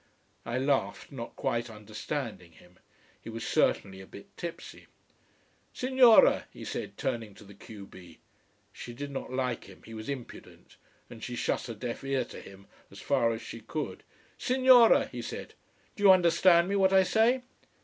I laughed, not quite understanding him. He was certainly a bit tipsy. "Signora," he said, turning to the q b. She did not like him, he was impudent, and she shut a deaf ear to him as far as she could. "Signora," he said, "do you understand me what I say?"